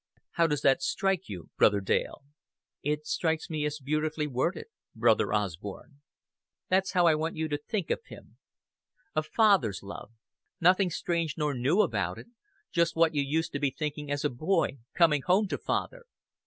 "How does that strike you, Brother Dale?" "It strikes me as beautifully worded Brother Osborn." "That's how I want you to think of Him. A Father's love. Nothing strange nor new about it. Just what you used to be thinking as a boy, coming home to Father."